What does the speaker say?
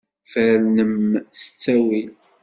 Fernem s ttawil.